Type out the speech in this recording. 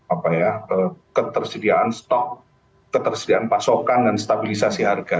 apa ya ketersediaan stok ketersediaan pasokan dan stabilisasi harga